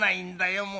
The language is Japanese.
もう。